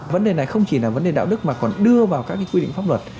vấn đề này không chỉ là vấn đề đạo đức mà còn đưa vào các quy định pháp luật